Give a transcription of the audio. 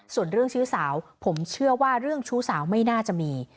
ส่วนเรื่องชู้สาวผมเชื่อว่าเรื่องชู้สาวไม่น่าจะมี